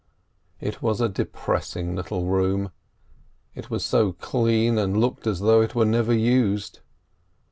It was a depressing little room; it was so clean, and looked as though it were never used.